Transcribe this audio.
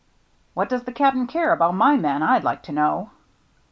" What does the Cap'n care about my men, I'd like to know